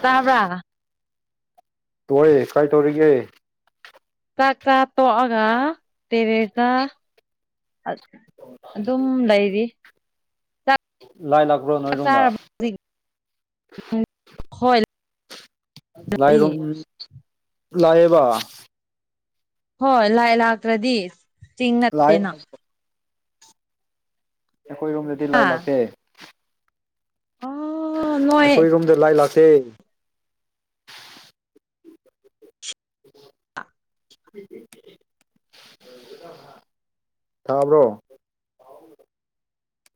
ꯇꯥꯕ꯭ꯔꯥ ꯍꯣꯏ ꯀꯩ ꯇꯧꯔꯤꯒꯦ ꯆꯥꯛ ꯆꯥ ꯇꯣꯑꯒ ꯇꯦꯔꯦꯁꯥ ꯑ ꯑꯗꯨꯝ ꯂꯩꯔꯤ ꯆꯥꯛ ꯂꯥꯏ ꯂꯥꯛꯄ꯭ꯔꯣ ꯅꯣꯏ ꯅꯨꯡꯗ ꯆꯥꯔꯕ ꯍꯧꯖꯤꯛ ꯍꯣꯏ ꯂꯥꯛꯏ ꯂꯥꯏꯔꯣꯡ ꯂꯥꯏꯑꯌꯦꯕ ꯍꯣꯏ ꯂꯥꯏ ꯂꯥꯛꯇ꯭ꯔꯗꯤ ꯆꯤꯡ ꯂꯥꯛꯑꯦ ꯅꯠꯇꯦꯅ ꯑꯩꯈꯣꯏ ꯔꯣꯝꯗꯗꯤ ꯂꯥꯏ ꯍꯥ ꯂꯥꯛꯇꯦ ꯑꯣ ꯅꯣꯏ ꯑꯩꯈꯣꯏ ꯔꯣꯝꯗ ꯂꯥꯏ ꯂꯥꯛꯇꯦ [inaudible] ꯇꯥꯕ꯭ꯔꯣ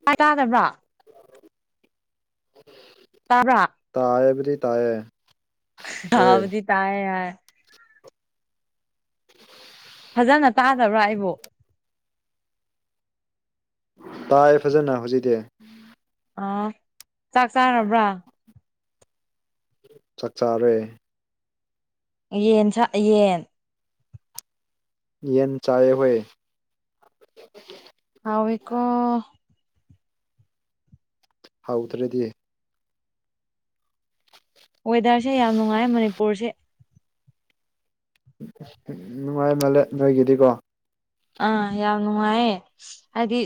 ꯇꯥꯏ ꯇꯥꯗꯕ꯭ꯔꯣ [inaudible] ꯇꯕ꯭ꯔꯥ ꯇꯥꯌꯦꯕꯨꯗꯤ ꯇꯌꯦ ꯇꯥꯕꯗꯤ ꯇꯥꯏꯌꯦ ꯍꯥꯏ ꯖꯅ ꯇꯥꯗꯕ꯭ꯔꯥ ꯑꯩꯕꯨ ꯇꯥꯏ ꯐꯖꯅ ꯍꯧꯖꯤꯛꯇꯤ ꯑꯥ ꯆꯥꯛ ꯆꯥꯔꯕ꯭ꯔꯥ ꯆꯥꯛ ꯆꯥꯔꯦ ꯌꯦꯟ ꯁꯥ ꯌꯦꯟ ꯌꯦꯟ ꯆꯥꯏꯑꯦ ꯍꯣꯏ ꯍꯥꯎꯋꯦꯀꯣ ꯍꯥꯎꯗ꯭ꯔꯗꯤ ꯋꯦꯗꯔꯁꯦ ꯌꯥꯝ ꯅꯨꯡꯉꯥꯏ ꯃꯅꯤꯄꯨꯔꯁꯦ ꯅꯨꯡꯉꯥꯏ ꯃꯥꯜꯂꯦ ꯅꯣꯏꯒꯤꯗꯤꯀꯣ ꯑꯥ ꯌꯥꯝ ꯅꯨꯡꯉꯥꯏꯌꯦ ꯍꯥꯏꯗꯤ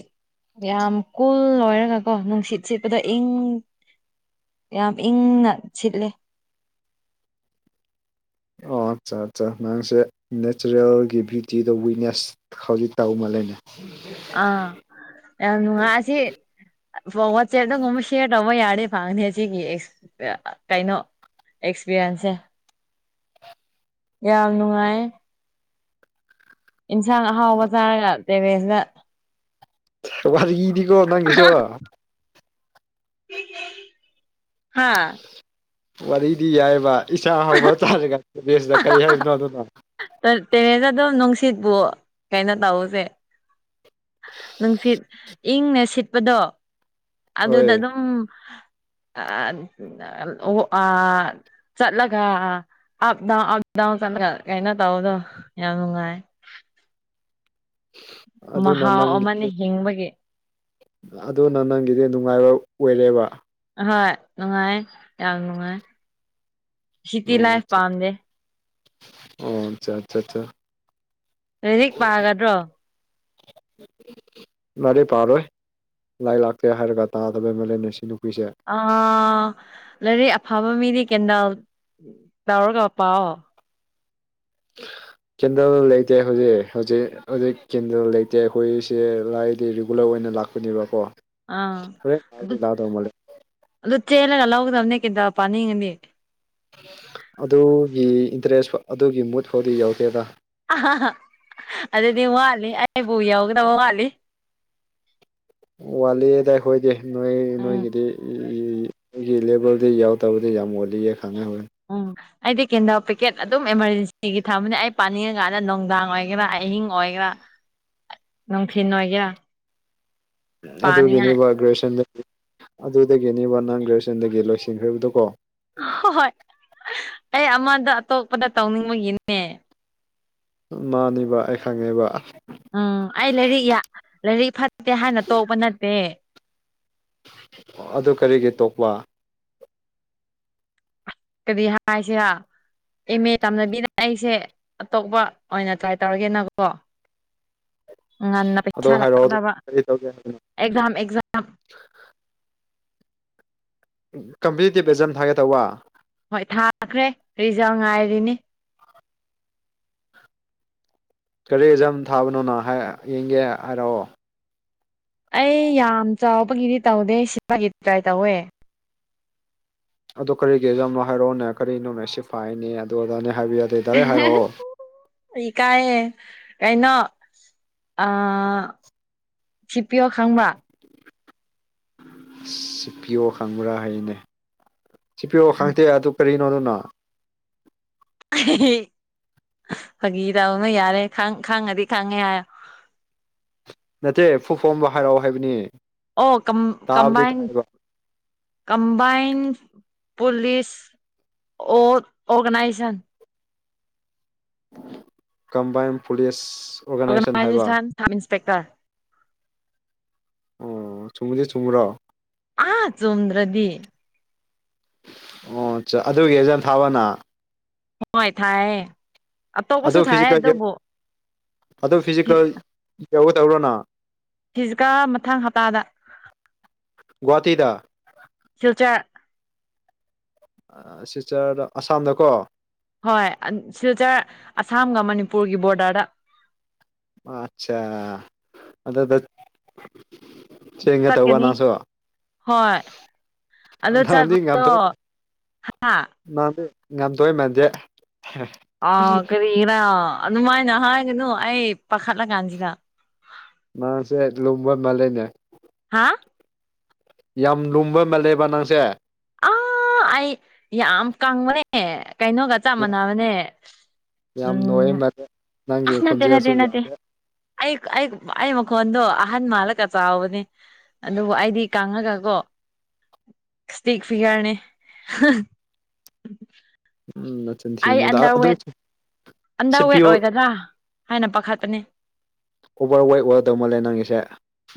ꯌꯥꯝ ꯀꯨꯜ ꯑꯣꯏꯔꯒ ꯀꯣ ꯅꯨꯡꯁꯤꯠ ꯁꯤꯠꯄꯗ ꯏꯪ ꯌꯥꯝ ꯏꯪꯅ ꯁꯤꯠꯂꯦ ꯑꯣ ꯑꯠꯆꯥ ꯑꯠꯆꯥ ꯅꯥꯡꯁꯦ ꯅꯦꯆꯔꯦꯜꯒꯤ ꯕ꯭ꯌꯨꯇꯤꯗ ꯋꯤꯛꯅꯦꯁ ꯍꯧꯖꯤꯛ ꯇꯧ ꯃꯥꯜꯂꯦ ꯑꯥ ꯌꯥꯝ ꯅꯨꯡꯉꯥꯏ ꯑꯁꯤ ꯋꯥꯆꯦꯞꯇꯒꯨꯝꯕ ꯁꯦꯌꯔ ꯇꯧꯕ ꯌꯥꯔꯦ ꯐꯪꯅꯤ ꯁꯤꯒꯤ ꯀꯩꯅꯣ ꯑꯦꯛꯁꯄꯤꯔꯤꯟꯁꯦ ꯌꯥꯝ ꯅꯨꯡꯉꯥꯏ ꯏꯟꯁꯥꯡ ꯑꯍꯥꯎꯕ ꯆꯥꯔꯒ ꯇꯦꯔꯦꯁꯗ ꯋꯥꯔꯤꯗꯤ ꯀꯣ ꯅꯪꯒꯤꯁꯨ ꯍꯥꯥ ꯋꯥꯔꯤꯗꯤ ꯌꯥꯏꯕ ꯏꯆꯥ ꯍꯧꯕ ꯆꯔꯒ ꯗꯦꯁꯅ ꯀꯔꯤ ꯍꯥꯏꯔꯤꯅꯣ ꯑꯗꯨꯅꯣ ꯇꯦꯔꯦꯟꯅ ꯑꯗꯨꯝ ꯅꯨꯡꯁꯤꯠꯄꯨ ꯀꯩꯅꯣ ꯇꯧꯁꯦ ꯅꯨꯡꯁꯤꯠ ꯏꯪꯅ ꯁꯤꯠꯄꯗꯣ ꯍꯣꯏ ꯑꯗꯨꯗ ꯑꯗꯨꯝ ꯑ ꯑꯣ ꯑ ꯆꯠꯂꯒ ꯑꯞ ꯗꯥꯎꯟ ꯑꯞꯗꯥꯎꯟ ꯆꯠꯂꯒ ꯀꯩꯅꯣ ꯇꯧꯕꯗꯣ ꯌꯥꯝ ꯅꯨꯡꯉꯥꯏ ꯑꯗꯨꯅ ꯃꯍꯥꯎ ꯅꯪꯒꯤ ꯑꯃꯅ ꯍꯤꯡꯕꯒꯤ ꯑꯗꯨꯅ ꯅꯪꯒꯤꯗꯤ ꯅꯨꯡꯉꯥꯏꯕ ꯑꯣꯏꯔꯦꯕ ꯑꯍꯣꯏ ꯅꯨꯡꯉꯥꯏ ꯌꯥꯝ ꯅꯨꯡꯉꯥꯏ ꯁꯤꯇꯤ ꯑꯣ ꯂꯥꯏꯐ ꯄꯥꯝꯗꯦ ꯑꯣ ꯑꯆꯥ ꯑꯆꯥ ꯑꯆꯥ ꯔꯖꯤꯛ ꯄꯥꯒꯗ꯭ꯔꯣ ꯎ ꯉꯦ ꯄꯥꯔꯣꯏ ꯂꯥꯏꯔꯤꯛ ꯂꯥꯛꯇꯦ ꯍꯥꯏꯔꯒ ꯇꯥꯗꯕ ꯑꯦꯝ ꯑꯦꯜ ꯑꯦꯅ ꯁꯤ ꯅꯨꯄꯤꯁꯦ ꯑꯥ ꯂꯥꯏꯔꯤꯛ ꯑꯐꯕ ꯃꯤꯗꯤ ꯀꯦꯟꯗꯜ ꯌꯥꯎꯔꯒ ꯄꯥꯎ [inaudible] ꯀꯦꯟꯗꯜ ꯂꯩꯇꯦ ꯍꯧꯖꯤꯛ ꯍꯧꯖꯤꯛ ꯍꯧꯖꯤꯛ ꯀꯦꯟꯗꯜ ꯂꯩꯇꯦ ꯑꯩꯈꯣꯏꯁꯦ ꯂꯥꯏꯗꯤ ꯔꯤꯒꯨꯂꯔ ꯑꯣꯏꯅ ꯂꯥꯛꯄ ꯄꯨꯅꯤꯕꯀꯣ ꯑꯥ ꯍꯣꯔꯦꯟ ꯂꯥꯗꯧ ꯃꯥꯜꯂꯦ ꯑꯗꯨꯣ ꯆꯦꯂꯒ ꯂꯧꯥꯎꯒꯗꯧꯅꯤ ꯀꯇ ꯄꯅꯤꯅꯤꯡꯉꯅꯤꯗꯤ ꯑꯗꯨꯒꯤ ꯏꯟꯇꯔꯦꯁꯥꯎ ꯑꯗꯨꯒꯤ ꯃꯨꯠ ꯐꯥꯎꯗꯤ ꯌꯧꯗꯦꯗ ꯑꯗꯨꯗꯤ ꯃꯥꯂꯤ ꯑꯩꯕꯨ ꯌꯥꯎꯒꯗꯕ ꯃꯥꯠꯂꯤ ꯋꯥꯠꯂꯤꯗꯥꯏ ꯑꯩꯈꯣꯏꯗꯤ ꯅꯣꯏ ꯎꯝ ꯅꯣꯏꯒꯤꯗꯤ ꯑꯩꯒꯤ ꯂꯦꯕꯦꯜꯗꯤ ꯌꯥꯎꯗꯕꯗꯤ ꯌꯥꯝ ꯃꯜꯂꯤꯌꯦ ꯈꯪꯅꯍꯅꯤ ꯎꯝ ꯑꯩꯗꯤ ꯀꯦꯟꯗꯥ ꯄꯦꯛꯀꯦꯠ ꯑꯗꯨꯝ ꯑꯦꯃꯥꯔꯖꯦꯟꯁꯤꯒꯤ ꯊꯝꯕꯅꯤ ꯑꯩ ꯄꯥꯅꯤꯡꯉꯀꯥꯟꯗ ꯅꯨꯡꯗꯥꯡ ꯑꯣꯏꯒꯦꯔꯥ ꯑꯍꯤꯡ ꯑꯣꯏꯒꯦꯔꯥ ꯅꯪ ꯐꯤꯟꯅꯒꯌꯥ ꯑꯗꯨꯒꯤꯅꯦꯕ ꯒ꯭ꯔꯦꯖꯨꯋꯦꯁꯟ ꯑꯗꯨꯗꯒꯤꯅꯦꯕ ꯅꯟ ꯒ꯭ꯔꯦꯖꯨꯑꯦꯁꯟꯗꯒꯤ ꯂꯣꯏꯁꯤꯟꯈ꯭ꯔꯤꯕꯗꯨꯀꯣ ꯍ ꯍꯣꯏ ꯑꯩ ꯑꯃꯗ ꯑꯇꯣꯞꯄꯗ ꯇꯧꯅꯤꯡꯕꯒꯤꯅꯦ ꯃꯥꯅꯦꯕ ꯑꯩ ꯈꯪꯉꯦꯕ ꯎꯝ ꯑꯩ ꯂꯥꯏꯔꯤꯛ ꯂꯥꯏꯔꯤꯛ ꯐꯠꯇꯦ ꯍꯥꯏꯅ ꯇꯣꯛꯄ ꯅꯠꯇꯦ ꯑꯗꯨ ꯀꯔꯤꯒꯤ ꯇꯣꯛꯄ ꯀꯔꯤ ꯍꯥꯏꯁꯤ ꯑꯦꯝ ꯑꯦ ꯇꯥꯝꯅꯕꯤꯅ ꯑꯩꯁꯦ ꯑꯇꯣꯞꯄ ꯑꯣꯏꯅ ꯇ꯭ꯔꯥꯏ ꯇꯧꯔꯒꯦꯅꯀꯣ ꯉꯟꯅ ꯑꯗꯣ ꯄꯩꯁꯥ ꯍꯥꯏꯔꯛꯑꯣ ꯑꯗꯨ ꯂꯥꯛꯀꯗꯕ ꯀꯔꯤ ꯇꯧꯒꯦ ꯍꯥꯏꯕꯅꯣ ꯑꯦꯛꯖꯥꯝ ꯑꯦꯛꯖꯥꯝ ꯀꯝꯄꯤꯇꯤꯇꯤꯞ ꯑꯦꯛꯖꯥꯝ ꯊꯥꯒꯦꯠꯇꯧꯕ ꯍꯣꯏ ꯊꯥꯈ꯭ꯔꯦ ꯔꯤꯖꯔ ꯉꯥꯏꯔꯤꯅꯤ ꯀꯔꯤ ꯑꯦꯖꯝ ꯊꯥꯕꯅꯣꯅ ꯍꯥꯏ ꯌꯦꯡꯒꯦ ꯍꯥꯏꯔꯛꯑꯣ ꯑꯩ ꯌꯥꯝ ꯆꯥꯎꯕꯒꯤꯗꯤ ꯇꯧꯗꯦ ꯁꯤꯒꯤꯗꯤ ꯀꯥꯏ ꯇꯧꯋꯦ ꯑꯗꯣ ꯀꯔꯤꯒꯤꯔꯤꯖ ꯌꯥꯝꯅꯣ ꯍꯥꯏꯔꯛꯑꯣꯅꯦ ꯀꯔꯤꯅꯣꯅꯦ ꯁꯤ ꯐꯥꯏꯅꯦ ꯑꯗꯨ ꯑꯣꯖꯥꯅꯦ ꯍꯥꯏꯕꯤꯌ ꯌꯥꯗ ꯑꯩ ꯀꯑꯌꯦꯦ ꯀꯥꯏꯩꯅꯣ ꯑ ꯁꯤꯤꯄꯤꯌꯎ ꯈꯪꯕ ꯑꯁ ꯁꯤꯤꯄꯤꯌꯣ ꯈꯪꯕ꯭ꯔꯥ ꯍꯥꯏꯅꯦ ꯁꯤꯄꯤꯌꯑꯣ ꯈꯪꯗꯦ ꯑꯗꯨ ꯀꯔꯤꯅꯣꯗꯨꯅꯣ ꯐꯥꯒꯤ ꯇꯧꯅ ꯌꯥꯔꯦ ꯈ ꯈꯪꯉꯗꯤ ꯈꯪꯉꯦ ꯍꯥꯏ ꯅꯠꯇꯦ ꯐꯨ ꯐꯣꯝꯕ ꯍꯔꯥꯎꯑꯣ ꯍꯥꯏꯕꯅꯤ ꯑꯣ ꯀꯝ ꯇꯥꯕꯗꯤ ꯀꯝꯕꯥꯥꯏꯟ ꯇꯥꯏꯕ ꯀꯝꯕꯥꯏꯟ ꯄꯨꯂꯤꯁ ꯑꯣ ꯑꯣꯔꯒꯅꯥꯏꯖꯦꯁꯟ ꯀꯝꯕꯥꯏꯟ ꯄꯨꯂꯤꯁ ꯑꯣꯔꯒꯅꯥꯏꯖꯦꯁꯟ ꯁ ꯏꯟꯁꯄꯦꯛꯇꯔ ꯑꯣ ꯆꯨꯝꯃꯤꯗꯤ ꯆꯨꯝꯃꯨꯔꯣ ꯑꯥ ꯆꯣꯗ꯭ꯔꯗꯤ ꯑꯣ ꯑꯗꯨꯒꯤ ꯑꯦꯖꯟ ꯊꯥꯕꯅ ꯍꯣꯏ ꯊꯥꯏ ꯇꯧ ꯀꯁꯨ ꯊꯥꯏ ꯐꯤꯖꯤꯀꯦꯜꯒꯤ ꯑꯗꯨꯕꯨ ꯑꯗꯨ ꯐꯤꯖꯤꯀꯦꯜ ꯌꯧꯒ ꯇꯧꯔꯣꯅ ꯐꯤꯤꯁꯀ ꯃꯊꯪ ꯍꯞꯇꯥꯗ ꯭ꯋꯥꯇꯤꯗ ꯐ꯭ꯌꯨꯆꯔ ꯁꯤꯇꯔꯗ ꯑꯁꯥꯝꯗꯀꯣ ꯍꯣꯏ ꯁꯤꯗꯔ ꯑꯁꯥꯝꯒ ꯃꯅꯤꯄꯨꯔꯒꯤ ꯕꯣꯔꯗꯔꯗ ꯑꯆꯥ ꯑꯗ ꯆꯦꯡꯒ ꯇꯧꯕ ꯆꯠꯀꯅꯤ ꯅꯪꯁꯨ ꯍꯣꯏ ꯑꯗꯨ ꯉ ꯊ ꯆꯠꯄꯗꯣ ꯍꯥ ꯃꯥꯟꯅꯦ ꯉꯝꯗꯣꯏ ꯃꯥꯟꯁꯦ ꯑꯥ ꯀꯔꯤꯒꯤꯔꯥ ꯑꯗꯨꯃꯥꯏꯅ ꯍꯥꯏꯒꯅꯨ ꯑꯩ ꯄꯥꯈꯠꯂ ꯀꯥꯟꯁꯤꯗ ꯃꯥꯁꯦ ꯂꯨꯝꯕ ꯃꯥꯜꯂꯦꯅꯦ ꯍꯥ ꯌꯥꯝ ꯂꯨꯝꯕ ꯃꯜꯂꯦꯕ ꯅꯪꯁꯦ ꯑꯥ ꯑꯩ ꯌꯥꯝ ꯀꯪꯕꯅꯦ ꯀꯩꯅꯣꯒ ꯆꯞ ꯃꯥꯟꯅꯕꯅꯦ ꯌꯥꯝ ꯅꯣꯏꯌꯦ ꯎꯝ ꯃꯥꯜꯂꯦ ꯑ ꯅꯪꯒꯤ ꯅ ꯇꯦ ꯈꯣꯟꯖꯦꯜꯁꯨ ꯅꯠꯇꯦ ꯌꯥꯝ ꯅꯠꯇꯦꯛ ꯑꯩ ꯑꯩ ꯃꯀꯣꯟꯗ ꯑꯍꯟ ꯃꯥꯂ ꯀꯆꯥ ꯍꯕꯅꯤꯅꯦ ꯑꯗꯨꯕꯨ ꯑꯩꯗꯤ ꯀꯥꯡꯉꯒ ꯀꯣ ꯏꯁꯇꯤꯛ ꯐꯤꯒꯔꯅꯦ ꯎꯝ ꯅꯆꯤꯟ ꯑꯩ ꯊꯤꯅꯣꯗ ꯑꯟꯗꯔ ꯑꯗꯨ ꯋꯦꯠ ꯁꯤ ꯑꯟꯗꯔ ꯄꯤ ꯋꯦꯠ ꯑꯣ ꯑꯣꯏꯒꯗ꯭ꯔꯥ ꯍꯥꯏꯅ ꯄꯥꯈꯠꯄꯅꯤ꯫ ꯑꯣꯕꯔ ꯋꯦꯠ ꯑꯣꯏꯔꯗꯧ ꯃꯥꯜꯂꯦ ꯅꯪꯒꯤꯁꯦ꯫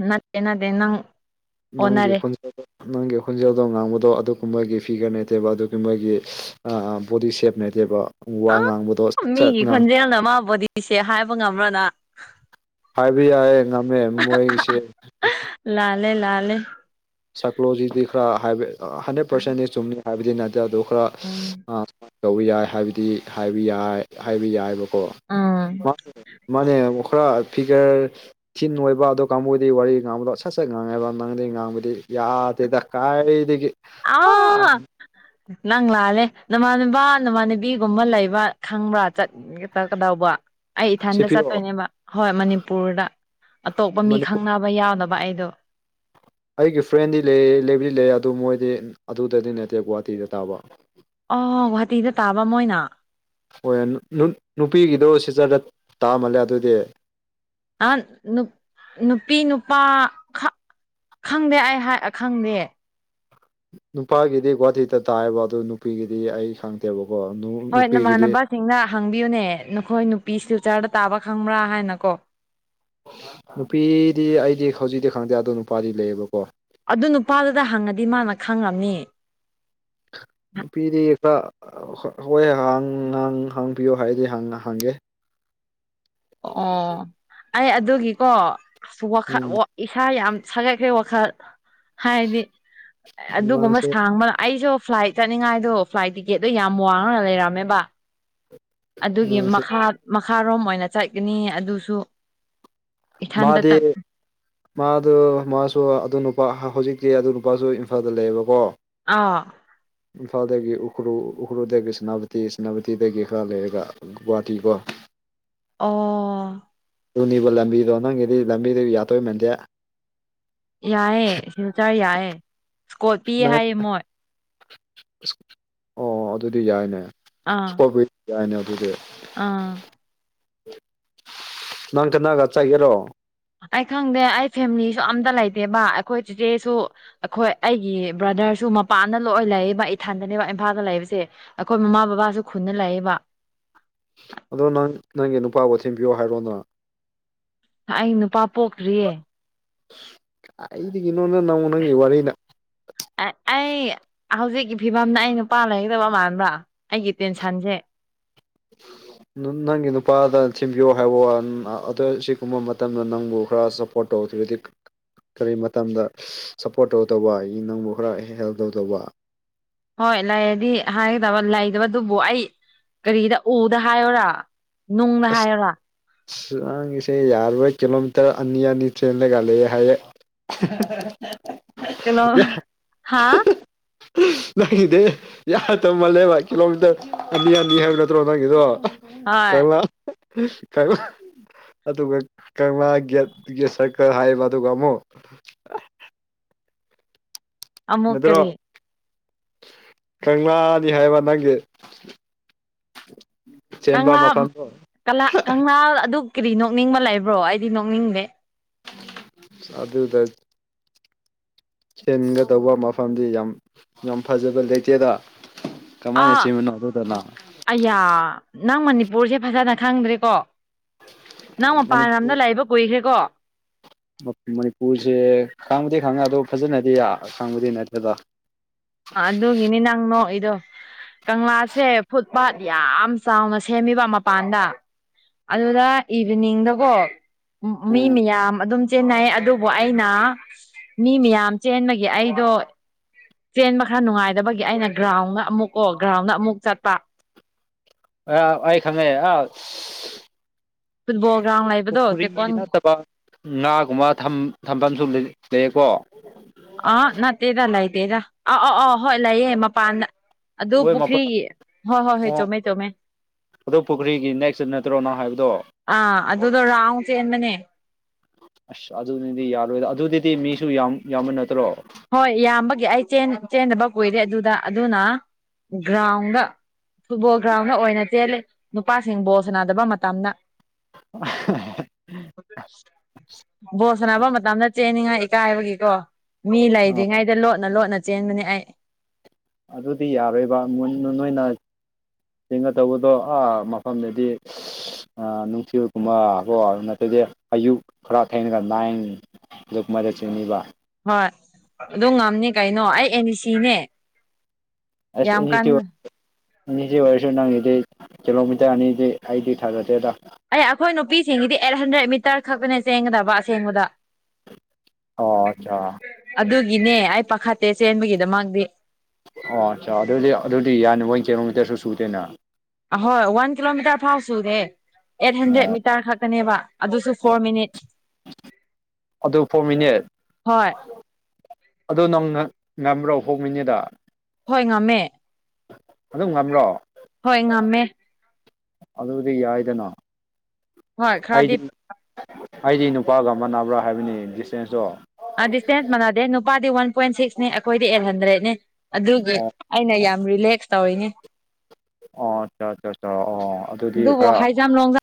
ꯅꯠꯇꯦ ꯅꯠꯇꯦ ꯅꯪ ꯅꯪꯒꯤ ꯑꯣꯟꯅꯔꯦ ꯈꯣꯟꯖꯦꯜ ꯅꯪꯒꯤ ꯈꯣꯟꯖꯦꯜꯗꯣ ꯉꯥꯡꯕꯗꯣ ꯑꯗꯨꯒꯨꯝꯕꯒꯤ ꯐꯤꯒꯔ ꯅꯠꯇꯦꯕ ꯑꯗꯨꯒꯨꯝꯕꯒꯤ ꯕꯣꯗꯤ ꯁꯦꯞ [unintelligible] ꯑ ꯉꯥꯡꯕꯗꯣ ꯁꯠ ꯁꯠ ꯃꯤꯒꯤ ꯉꯥꯡ ꯈꯣꯟꯖꯦꯜꯅ ꯃꯥ ꯕꯣꯗꯤ ꯁꯦꯕ ꯍꯥꯏꯕ ꯉꯝꯕ꯭ꯔ ꯅꯪ꯫ ꯍꯥꯏꯕ ꯌꯥꯏꯌꯦ ꯉꯝꯃꯦ ꯃꯣꯏꯒꯤꯁꯦ ꯂꯥꯜꯂꯦ ꯂꯥꯜꯂꯦ꯫ ꯁꯥꯏꯀꯣꯂꯣꯖꯤꯗꯤ ꯈꯔ ꯍꯟꯗ꯭ꯔꯦꯠ ꯄꯥꯔꯁꯦꯟꯗꯤ ꯆꯨꯝꯅꯤ ꯍꯥꯏꯕꯗꯤ ꯅꯠꯇꯦ ꯑꯗꯨ ꯈꯔ ꯎꯝ ꯑ ꯇꯧꯕ ꯌꯥꯏ ꯍꯥꯏꯕꯗꯤ ꯍꯥꯏꯕ ꯌꯥꯏ ꯍꯥꯏꯕ ꯌꯥꯏꯕ ꯎꯝ ꯑꯣ ꯃꯥꯅꯦ ꯈꯔ ꯐꯤꯒꯔ ꯁꯤꯤꯟ ꯑꯣꯏꯕ ꯑꯗꯨ ꯀꯥꯡꯕꯨꯗꯤ ꯋꯥꯔꯤ ꯉꯥꯡꯕꯗꯣ ꯁꯠ ꯁꯠ ꯉꯥꯡꯉꯦꯕ ꯉꯥꯡꯗꯦ ꯉꯥꯡꯕꯗꯤ ꯌꯥꯗꯦꯗ ꯀꯥꯏꯗꯗꯒꯤ ꯑꯥꯎ ꯅꯪ ꯂꯥꯜꯂꯦ ꯅꯃꯥꯟꯅꯕ ꯅꯃꯥꯟꯅꯨꯕꯤꯒꯨꯝꯕ ꯂꯩꯕ꯭ꯔꯥ ꯈꯪꯕ꯭ꯔꯥ ꯆꯠ ꯌꯦ ꯇꯥꯛ ꯀꯗꯥꯕ ꯑꯩ ꯏꯊꯟꯗ ꯁꯤꯐꯤꯌꯣ ꯆꯠꯇꯣꯏꯅꯦꯕ ꯍꯣꯏ ꯃꯅꯤꯄꯨꯔꯗ ꯑꯇꯣꯞꯄ ꯃꯤ ꯃꯅꯤꯄꯨꯔ ꯈꯪꯅꯕ ꯌꯥꯎꯗꯕ ꯑꯩꯗꯣ ꯑꯩꯒꯤ ꯐ꯭ꯔꯦꯟꯗꯤ ꯂꯩ ꯂꯩꯕꯗꯤ ꯂꯩ ꯑꯗꯨ ꯃꯣꯏꯗꯤ ꯑꯗꯨꯗꯗꯤ ꯅꯠꯇꯦ ꯒꯨꯍꯥꯇꯤꯗ ꯇꯥꯕ ꯑꯣ ꯒꯨꯍꯥꯇꯤꯗ ꯇꯥꯕ ꯃꯣꯏꯅ ꯍꯣꯏ ꯅꯨꯄꯤꯒꯤꯗꯣ ꯁꯤꯆꯔꯗ ꯇꯥꯃꯜꯂꯦ ꯑꯗꯨꯗꯤ ꯑ ꯅꯨ ꯅꯨꯄꯤ ꯅꯨꯄꯥ ꯈꯪꯗꯦ ꯑꯩ ꯈꯪꯗꯦ ꯅꯨꯄꯥꯒꯤꯗꯤ ꯒꯨꯋꯥꯇꯤꯗ ꯇꯥꯏꯑꯕ ꯑꯗꯨ ꯅꯨꯄꯤꯒꯤꯗꯤ ꯑꯩ ꯈꯪꯗꯦꯕꯀꯣ ꯍꯣꯏ ꯅꯨꯄꯤꯒꯤꯗꯤ ꯅꯃꯥꯟꯅꯕꯁꯤꯡꯅ ꯍꯪꯕꯤꯌꯨꯅꯦ ꯅꯈꯣꯏ ꯅꯨꯄꯤ ꯁꯤꯜꯆꯔꯗ ꯇꯥꯕ ꯈꯪꯕ꯭ꯔꯥ ꯍꯥꯏꯅꯀꯣ꯫ ꯅꯨꯄꯤꯗꯤ ꯑꯩꯗꯤ ꯍꯧꯖꯤꯛꯇꯤ ꯈꯪꯗꯦ ꯑꯗꯣ ꯅꯨꯄꯥꯗꯤ ꯂꯩꯌꯦꯕꯀꯣ꯫ ꯑꯗꯨ ꯅꯨꯄꯥꯗꯨꯗ ꯍꯪꯉꯗꯤ ꯃꯥꯅ ꯈꯪꯉꯝꯅꯤ꯫ ꯅꯨꯄꯤꯗꯤ ꯈꯔ ꯍꯣꯏ ꯍ ꯅꯍ ꯍꯥꯡꯕꯤꯌꯨ ꯍꯥꯏꯗꯤ ꯍꯪꯒꯦ꯫ ꯑꯣ ꯑꯩ ꯑꯗꯨꯒꯤꯀꯣ ꯑꯁ ꯋꯥꯈꯟ ꯎꯝ ꯋꯥ ꯏꯁꯥ ꯌꯥꯝ ꯁꯥꯒꯠꯈ꯭ꯔꯦ ꯋꯥꯈꯜ ꯍꯥꯏꯗꯤ ꯑꯗꯨꯒꯨꯝꯕ ꯃꯥꯁꯦ ꯁꯥꯡꯕ ꯑꯩꯁꯨ ꯐ꯭ꯂꯥꯏꯠ ꯆꯠꯅꯤꯡꯉꯥꯏꯗꯣ ꯐ꯭ꯂꯥꯏꯠ ꯇꯤꯀꯦꯠꯇꯣ ꯌꯥꯝ ꯋꯥꯡꯉ ꯂꯩꯔꯝꯃꯦꯕ ꯑꯗꯨꯒꯤ ꯃꯥꯁꯦ ꯃꯈꯥ ꯃꯈꯥꯔꯣꯝ ꯑꯣꯏꯅ ꯆꯠꯀꯅꯤ ꯑꯗꯨꯁꯨ ꯏꯊꯟꯇ ꯃꯥꯗꯤ ꯆꯠ ꯃꯥꯗꯣ ꯃꯥꯁꯨ ꯑꯗꯨ ꯅꯨꯄꯥ ꯍꯧꯖꯤꯛꯇꯤ ꯑꯗꯨ ꯅꯨꯄꯥꯁꯨ ꯏꯝꯐꯥꯜꯗ ꯂꯩꯌꯦꯕꯀꯣ ꯑꯥ ꯏꯝꯐꯥꯜꯗꯒꯤ ꯎꯈ꯭ꯔꯨꯜ ꯎꯈ꯭ꯔꯨꯗꯒꯤ ꯁꯦꯅꯥꯄꯇꯤ ꯁꯦꯅꯥꯄꯇꯤꯗꯒꯤ ꯈꯔ ꯂꯩꯔꯒ ꯒꯧꯋꯥꯇꯤꯀꯣ ꯑꯣ [unintelligible] ꯂꯝꯕꯤꯔꯣ ꯅꯪꯒꯤꯗꯤ ꯂꯝꯕꯤꯗꯨ ꯌꯥꯗꯧ ꯃꯥꯟꯗꯦ ꯌꯥꯏꯌꯦ ꯁꯤꯜꯆꯔ ꯌꯥꯏꯌꯦ ꯏꯁꯀꯣꯠ ꯄꯤꯌꯦ ꯍꯥꯏꯌꯦ [unintelligible] ꯃꯣꯏ ꯑꯣ ꯑꯗꯨꯗꯤ ꯌꯥꯏꯅꯦ ꯑꯥ ꯁ꯭ꯀꯨꯜ [unintelligible] ꯌꯥꯥꯏꯅꯦ ꯑꯗꯨꯗꯤ ꯑꯥ ꯅꯪ ꯀꯅꯥꯒ ꯆꯥꯏꯒꯦꯔꯣ ꯑꯩ ꯈꯪꯗꯦ ꯑꯩ ꯐꯦꯃꯤꯂꯤꯁꯨ ꯑꯝꯇ ꯂꯩꯇꯦꯕ ꯑꯩꯈꯣꯏ ꯆꯤꯆꯦꯁꯨ ꯑꯩꯈꯣꯏ ꯑꯩꯒꯤ ꯕ꯭ꯔꯗꯔꯁꯨ ꯃꯄꯥꯟꯗ ꯂꯣꯏ ꯂꯩꯕ ꯏꯊꯟꯗꯅꯦꯕ ꯏꯝꯐꯥꯜꯗ ꯂꯩꯕꯁꯦ ꯑꯩꯈꯣꯏ ꯃꯃꯥ ꯕꯕꯥꯁꯨ ꯈꯨꯟꯗ ꯂꯩꯑꯦꯕ ꯑꯗꯣ ꯅꯪ ꯅꯪꯒꯤ ꯅꯨꯄꯥꯕꯨ ꯊꯤꯟꯕꯤꯌꯣ ꯍꯥꯏꯔꯣꯅ ꯑꯩ ꯅꯨꯄꯥ ꯄꯣꯛꯇ꯭ꯔꯤꯌꯦ [unintelligible] ꯅꯪꯒꯤ ꯋꯥꯔꯤꯅ ꯑ ꯑꯩ ꯍꯧꯖꯤꯛꯀꯤ ꯐꯤꯕꯝꯅ ꯑꯩ ꯅꯨꯄꯥ ꯂꯩꯔꯗꯕ ꯃꯥꯟꯕ꯭ꯔꯥ ꯑꯩꯒꯤ ꯇꯦꯟꯁꯟꯁꯦ ꯅꯪꯒꯤ ꯅꯨꯄꯥꯗ ꯊꯤꯟꯕꯤꯌꯣ ꯍꯥꯏꯕ ꯋꯥ ꯑ ꯁꯤꯒꯨꯝꯕ ꯃꯇꯝꯗ ꯅꯪꯕꯨ ꯈꯔ ꯁꯞꯄꯣꯔꯠ ꯇꯧꯗ꯭ꯔꯗꯤꯛ ꯀꯔꯤ ꯃꯇꯝꯗ ꯁꯞꯄꯣꯔꯠ ꯇꯧ ꯇꯧꯕ ꯅꯪꯕꯨ ꯈꯔ ꯍꯦꯜꯞ ꯇꯧꯗꯧꯕ ꯍꯣꯏ ꯂꯩꯔꯗꯤ ꯍꯥꯏꯒꯗꯕ ꯂꯩꯗꯕꯗꯨꯕꯨ ꯑꯩ ꯀꯔꯤꯗ ꯎꯗ ꯍꯥꯏꯌꯣꯔꯥ ꯅꯨꯡꯅ ꯍꯥꯏꯔꯒ ꯁ ꯅꯥꯡꯒꯤꯁꯦ ꯌꯥꯔꯕ ꯀꯤꯂꯣꯃꯤꯇꯔ ꯑꯅꯤ ꯑꯅꯤ ꯆꯦꯟꯂꯒ ꯂꯩꯑꯦ ꯍꯥꯏꯌꯦ [unintelligible] ꯀꯩꯅꯣ ꯍꯥꯥ [unintelligible] ꯌꯥ ꯇꯝ ꯃꯥꯜꯂꯦꯕ ꯀꯤꯂꯣꯃꯤꯇꯔ ꯑꯅꯤ ꯑꯅꯤ ꯍꯥꯏꯕ ꯅꯠꯇ꯭ꯔꯣ ꯅꯪꯒꯤꯗꯣ ꯍꯣꯏ ꯀꯪꯂꯥ [unintelligible] ꯑꯗꯨꯒ ꯀꯪꯂꯥ ꯒꯦꯠ ꯒꯦꯠ ꯁꯔꯀꯜ ꯍꯥꯏꯌꯦꯕ ꯑꯗꯨꯒ ꯑꯃꯨꯛ ꯑꯃꯨꯛ ꯅꯠꯗꯔꯣ ꯀꯔꯤ ꯀꯪꯂꯥꯅꯤ ꯍꯥꯏꯕ ꯅꯪꯒꯤ [inaudible] ꯆꯦꯟꯕ ꯀꯪꯂꯥ ꯃꯐꯝꯗꯣ ꯀꯪꯂꯥ ꯀꯪꯂꯥ ꯑꯗꯨ ꯀꯔꯤ ꯅꯣꯛꯅꯤꯡꯕ ꯂꯩꯕ꯭ꯔꯣ ꯑꯩꯗꯤ ꯅꯣꯛꯅꯤꯡꯗꯦ [unintelligible] ꯍꯦꯟꯒꯗꯧꯕ ꯃꯐꯝꯗꯤ ꯌꯥꯝ ꯌꯥꯝ ꯐꯖꯕ ꯂꯩꯇꯦꯗ ꯀꯃꯥꯏ ꯑꯥ ꯆꯦꯃꯤꯅꯣ ꯑꯗꯨꯗꯅ ꯑꯌꯥ ꯅꯪ ꯃꯅꯤꯄꯨꯔꯁꯦ ꯐꯖꯅ ꯈꯪꯗ꯭ꯔꯤꯀꯣ ꯅꯪ ꯃꯄꯥꯟ ꯂꯝꯗ ꯃꯅꯤꯄꯨꯔ ꯂꯩꯕ ꯀꯨꯏꯈ꯭ꯔꯦꯀꯣ ꯃꯅꯤꯄꯨꯔꯁꯦ ꯈꯥꯡꯕꯗꯤ ꯈꯥꯡꯉꯗꯣ ꯐꯖꯅꯗꯤ ꯌꯥ ꯈꯥꯡꯕꯗꯤ ꯅꯠꯇꯦꯗ ꯑꯗꯨꯒꯤꯅꯤ ꯅꯣꯛꯏꯗꯣ ꯀꯪꯂꯥꯁꯦ ꯐꯨꯠ ꯄꯥꯠ ꯌꯥꯝ ꯆꯥꯎꯅ ꯁꯦꯝꯃꯤꯕ ꯃꯄꯥꯟꯗ ꯑꯗꯨꯗ ꯏꯚꯤꯅꯤꯡꯗꯀꯣ ꯃꯤ ꯎꯝ ꯃꯌꯥꯝ ꯑꯗꯨꯝ ꯆꯦꯟꯅꯩ ꯑꯗꯨꯕꯨ ꯑꯩꯅ ꯃꯤ ꯃꯌꯥꯝ ꯆꯦꯟꯕꯒꯤ ꯑꯩꯗꯣ ꯆꯦꯟ ꯃꯈꯔ ꯅꯨꯡꯉꯥꯏꯗꯕꯒꯤ ꯑꯩꯅ ꯒ꯭ꯔꯥꯎꯟꯒ ꯑꯃꯨꯛꯀ ꯒ꯭ꯔꯥꯎꯟꯗ ꯑꯃꯨꯛ ꯆꯠꯄ ꯑ ꯑꯩ ꯈꯪꯉꯦ ꯑꯥꯎ ꯐꯨꯠꯕꯣꯜ ꯒ꯭ꯔꯥꯎꯟ ꯂꯩꯕꯗꯣ ꯄꯨꯈ꯭ꯔꯤ ꯇꯦꯛꯀꯣꯟ ꯅꯠꯇꯕ ꯉꯥꯒꯨꯝꯕ ꯊꯝꯐꯝꯁꯨ ꯂꯩꯀꯣ ꯑꯥ ꯅꯠꯇꯦꯗ ꯂꯩꯇꯦꯗ ꯑ ꯑ ꯑ ꯍꯣꯏ ꯂꯩꯌꯦ ꯃꯄꯥꯟꯗ ꯑꯗꯨ ꯃꯣꯏ ꯃꯄꯜ ꯄꯨꯈ꯭ꯔꯤꯒꯤ ꯍꯣꯏ ꯍꯣꯏ ꯍꯣꯏ ꯑꯣ ꯆꯨꯝꯃꯦ ꯆꯨꯝꯃꯦ ꯑꯗꯨ ꯄꯨꯈ꯭ꯔꯤꯒꯤ ꯅꯦꯛꯁꯇ ꯅꯠꯇ꯭ꯔꯣ ꯅꯪ ꯍꯥꯏꯕꯗꯣ [inaudible] ꯑꯥ ꯑꯗꯨꯗꯣ ꯔꯥꯎ ꯆꯦꯟꯕꯅꯦ [inaudible] ꯑꯁ ꯑꯗꯨꯅꯤꯗꯤ ꯌꯥꯔꯣꯏꯗ ꯑꯗꯨꯗꯤꯗꯤ ꯃꯤꯁꯨ ꯌꯥꯝ ꯌꯥꯝꯃ ꯅꯠꯇ꯭ꯔꯣ ꯍꯣꯏ ꯏꯕꯒꯤ ꯑꯩ ꯆꯦꯟꯗꯕ ꯀꯨꯏꯔꯦ ꯑꯗꯨꯗ ꯑꯗꯨꯅ ꯒ꯭ꯔꯥꯎꯟꯗ ꯐꯨꯠꯕꯣꯜ ꯒ꯭ꯔꯥꯎꯟꯗ ꯑꯣꯏꯅ ꯆꯦꯜꯂꯤ ꯅꯨꯄꯥꯁꯤꯡ ꯕꯣꯜ ꯁꯥꯟꯅꯗꯕ ꯃꯇꯝꯗ [inaudible] ꯕꯣꯁꯅꯕ ꯃꯇꯝꯗ ꯆꯦꯅꯤꯡꯉꯥꯏ ꯏꯀꯥꯏꯕꯒꯤꯀꯣ ꯃꯤ ꯑꯥ ꯂꯩꯗ꯭ꯔꯤꯉꯩꯗ ꯂꯣꯠꯅ ꯂꯣꯠꯅ ꯆꯦꯟꯕꯅꯦ ꯑꯩ ꯑꯗꯨꯗꯤ ꯌꯥꯔꯣꯏꯕ ꯅꯣꯏꯅ ꯆꯤꯡꯒ ꯇꯧꯕꯗꯣꯥ ꯃꯐꯝꯗꯗꯤ ꯅꯨꯡꯊꯤꯜꯒꯨꯝꯕꯀꯣ ꯑꯗꯨ ꯅꯠꯇꯗꯤ ꯑꯌꯨꯛ ꯈꯔ ꯊꯦꯡꯅꯒ ꯂꯥꯏꯟ ꯂꯨꯞ ꯃ ꯆꯤꯡꯅꯤꯕ ꯍꯣꯏ ꯑꯗꯨ ꯉꯝꯅꯤ ꯀꯩꯅꯣ ꯑꯩ ꯑꯦꯅꯤ ꯏ ꯁꯤꯅꯦ ꯑꯁ ꯌꯥꯝ ꯑꯦꯟ ꯀꯟꯅ ꯑꯅꯤꯁꯤ ꯑꯣꯏꯔꯁꯨ ꯅꯪꯒꯤꯗꯤ ꯀꯤꯂꯣꯃꯤꯇꯔ ꯑꯅꯤꯗꯤ ꯑꯩꯗꯤ ꯊꯥꯒꯠꯇꯦꯗ ꯑꯦ ꯑꯩꯈꯣꯏ ꯅꯨꯄꯤꯁꯤꯡꯒꯤꯗꯤ ꯑꯩꯠ ꯍꯟꯗ꯭ꯔꯦꯗ ꯃꯤꯇꯔ ꯈꯛꯇꯅꯦ ꯆꯦꯡꯒꯗꯕ ꯑꯁꯦꯡꯕꯗ ꯑꯣ ꯑꯆꯥ ꯑꯗꯨꯒꯤꯅꯦ ꯑꯩ ꯄꯥꯈꯠꯇꯦ ꯆꯦꯟꯕꯒꯤꯗꯃꯗꯤ ꯑꯣ ꯑꯠꯆꯥ ꯑꯗꯨꯗꯤ ꯑꯗꯨꯗꯤ ꯌꯥꯅꯤ ꯃꯣꯏ ꯀꯦꯂꯣꯃꯤꯇꯔꯁꯨ ꯁꯨꯗꯦꯅ ꯑꯍꯣꯏ ꯋꯥꯟ ꯀꯤꯂꯣꯃꯤꯇꯔ ꯐꯥꯎ ꯁꯨꯔꯦ ꯑꯩꯠ ꯍꯟꯗ꯭ꯔꯦꯗ ꯃꯤꯇꯔ ꯈꯛꯛꯇꯅꯦꯕ ꯑꯗꯨ ꯐꯣꯔ ꯃꯤꯅꯤꯠ ꯍꯣꯏ ꯑꯗꯣ ꯅꯪ ꯉꯝꯕ꯭ꯔꯣ ꯍꯣꯡꯃꯤꯅꯦꯗ ꯍꯣꯏ ꯉꯝꯃꯦ ꯑꯗꯨꯝ ꯉꯝꯂꯣ ꯍꯣꯏ ꯉꯝꯃꯦ ꯑꯗꯨꯗꯤ ꯌꯥꯏꯗꯅꯥꯗꯤ ꯍꯣꯏ ꯈꯔꯗꯤ ꯑꯩꯗꯤ ꯅꯨꯄꯥꯒ ꯃꯥꯟꯅꯕ꯭ꯔꯥ ꯍꯥꯏꯕꯅꯤ ꯗꯤꯁꯇꯦꯟꯁꯇꯣ ꯗꯤꯁꯇꯦꯟꯁ ꯃꯥꯟꯅꯗꯦ ꯅꯨꯄꯥꯗꯤ ꯋꯥꯟ ꯄꯣꯏꯟ ꯁꯤꯛꯁꯅꯦ ꯑꯩꯈꯣꯏꯗꯤ ꯑꯩꯠ ꯍꯟꯗ꯭ꯔꯦꯠꯅꯤ ꯑꯗꯨꯒꯤ ꯑꯣ ꯑꯩꯅ ꯌꯥꯝ ꯔꯤꯂꯦꯛꯁ ꯇꯧꯔꯤꯅꯦ ꯑꯣ ꯑꯠꯆꯥ ꯑꯠꯆꯥ ꯑꯆꯥ ꯑꯣ ꯑꯗꯨꯗꯤ ꯑꯗꯨꯕꯨ ꯈꯔ ꯍꯥꯏꯖꯝ ꯂꯣꯡꯗ